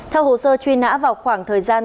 theo hồ sơ truy nã vào khoảng thời gian